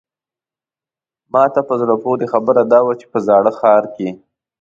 ماته په زړه پورې خبره دا وه چې په زاړه ښار کې.